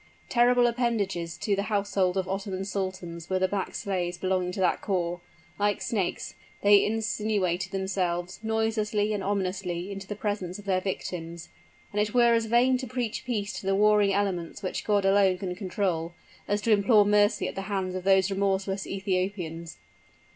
Terrible appendages to the household of Ottoman sultans were the black slaves belonging to that corps like snakes, they insinuated themselves, noiselessly and ominously into the presence of their victims, and it were as vain to preach peace to the warring elements which God alone can control, as to implore mercy at the hands of those remorseless Ethiopians!